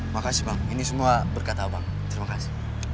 makasih bang ini semua berkata abang terima kasih